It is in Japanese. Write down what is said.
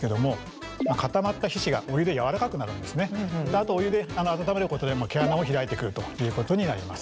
あとお湯であの温めることで毛穴も開いてくるということになります。